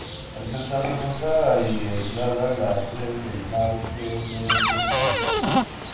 Al ser tan rocosa y aislada, las aves del Mar Egeo vienen y anidan.